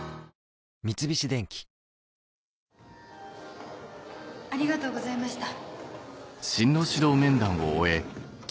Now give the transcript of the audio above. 三菱電機ありがとうございました。